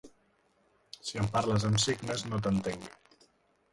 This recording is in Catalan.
Si em parles amb signes, no t'entenc.